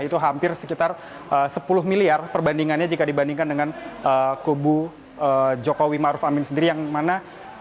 itu hampir sekitar sepuluh miliar perbandingannya jika dibandingkan dengan kubu jokowi maruf amin sendiri yang mana